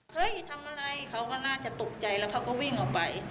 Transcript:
ทำอะไรเขาก็น่าจะตกใจแล้วเขาก็วิ่งออกไป